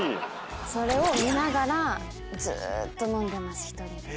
それを見ながらずーっと飲んでます１人で。